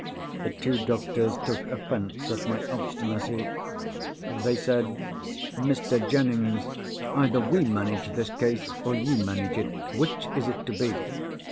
The two doctors took offence at my obstinacy. They said, 'Mr. Jennings, either we manage this case, or you manage it. Which is it to be?